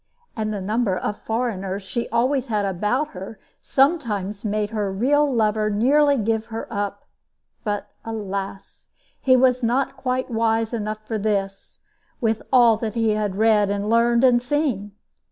And the number of foreigners she always had about her sometimes made her real lover nearly give her up. But, alas! he was not quite wise enough for this, with all that he had read and learned and seen.